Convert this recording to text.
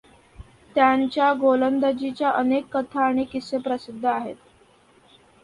त्यांच्या गोलंदाजीच्या अनेक कथा आणि किस्से प्रसिद्ध आहेत.